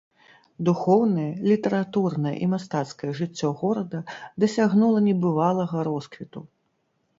Духоўнае, літаратурнае і мастацкае жыццё горада дасягнула небывалага росквіту.